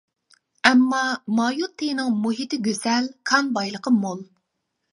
ئەمما مايوتتېنىڭ مۇھىتى گۈزەل، كان بايلىقى مول.